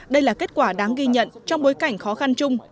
đây là kết quả đáng ghi nhận trong bối cảnh khó khăn chung